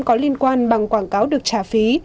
có liên quan bằng quảng cáo được trả phí